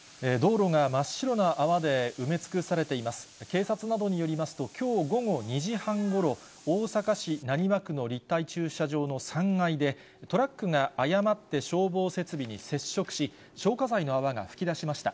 警察などによりますと、きょう午後２時半ごろ、大阪市浪速区の立体駐車場の３階で、トラックが誤って消防設備に接触し、消火剤の泡が噴き出しました。